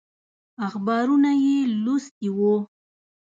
اخبارونه یې لوستي وو.